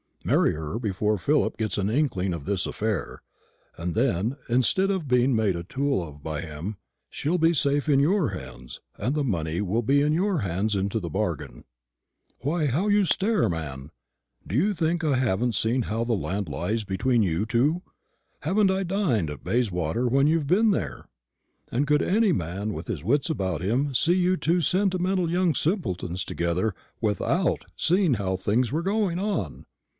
"Marry her before Philip gets an inkling of this affair, and then, instead of being made a tool of by him, she'll be safe in your hands, and the money will be in your hands into the bargain. Why, how you stare, man! Do you think I haven't seen how the land lies between you two? Haven't I dined at Bayswater when you've been there? and could any man with his wits about him see you two sentimental young simpletons together without seeing how things were going on?